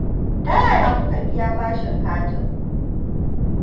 Ta yaya kuka biya bashin katin?